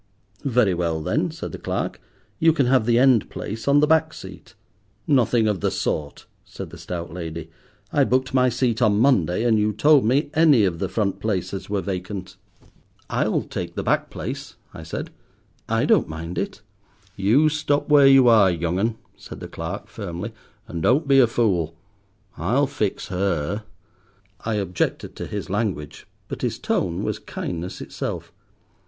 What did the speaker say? "Very well then," said the clerk, "you can have the end place on the back seat." "Nothing of the sort," said the stout lady. "I booked my seat on Monday, and you told me any of the front places were vacant. "I'll take the back place," I said, "I don't mind it. "You stop where you are, young 'un," said the clerk, firmly, "and don't be a fool. I'll fix her." I objected to his language, but his tone was kindness itself.